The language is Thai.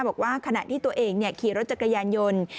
บอกว่าขณะที่ตัวเองขี่รถจักรยานยนต์